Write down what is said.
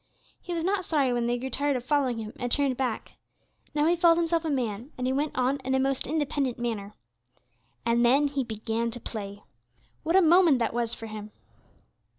He was not sorry when they grew tired of following him and turned back. Now he felt himself a man; and he went on in a most independent manner. And then he began to play. What a moment that was for him!